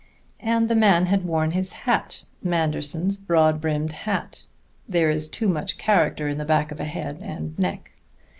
And the man had worn his hat, Manderson's broad brimmed hat! There is too much character in the back of a head and neck.